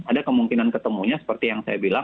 ada kemungkinan ketemunya seperti yang saya bilang